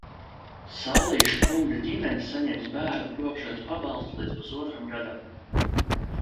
Saulīša kunga ģimene saņems bērna kopšanas pabalstu līdz pusotram gadam.